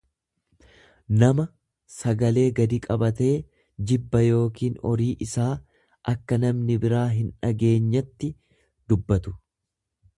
nama sagalee gadi qabatee jibba yookiin orii isaa akka namni biraa hindhageenyetti dubbatu.